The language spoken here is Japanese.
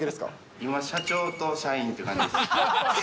今、社長と社員っていう感じです。